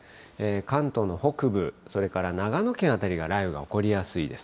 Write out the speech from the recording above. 関東の北部、それから長野県辺りが、雷雨が起こりやすいです。